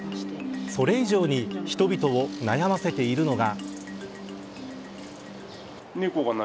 それ以上に人々を悩ませているのが。